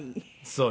そう。